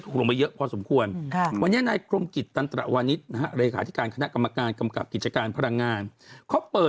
เขาบอกว่าไม่มีตังค์